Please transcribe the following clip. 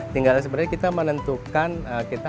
tinggal sebenarnya kita menentukan kita